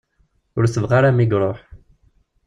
Ur teḅɣi ara mi i iruḥ.